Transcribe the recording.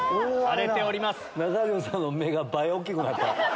中条さんの目が倍大きくなった。